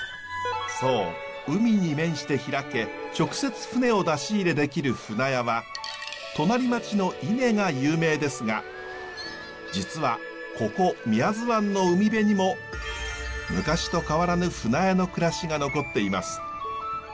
そう海に面して開け直接舟を出し入れできる舟屋は隣町の伊根が有名ですが実はここ宮津湾の海辺にも昔と変わらぬ舟屋の暮らしが残っています。